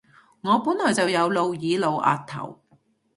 我本來就有露耳露額頭